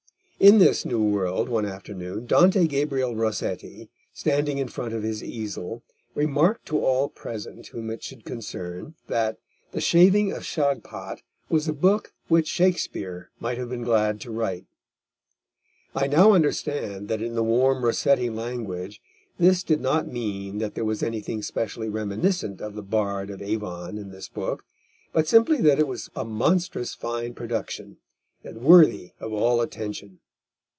In this new world, one afternoon, Dante Gabriel Rossetti, standing in front of his easel, remarked to all present whom it should concern, that The Shaving of Shagpat was a book which Shakespeare might have been glad to write. I now understand that in the warm Rossetti language this did not mean that there was anything specially reminiscent of the Bard of Avon in this book, but simply that it was a monstrous fine production, and worthy of all attention.